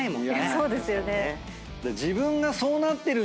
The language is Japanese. そうですよね。